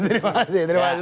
terima kasih terima kasih